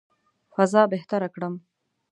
فضا بهتره کړم.